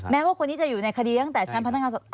แม้ว่าคนนี้จะอยู่ในคดีตั้งแต่ชั้นพนักงานสอบ